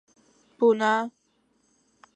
太守怀恨而将他捕拿。